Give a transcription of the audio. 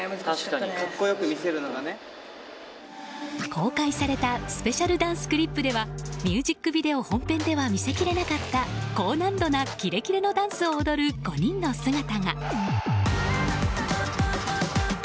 公開されたスペシャルダンスクリップではミュージックビデオ本編では見せきれなかった高難度なキレキレのダンスを踊る５人の姿が。